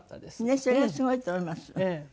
それがすごいと思います。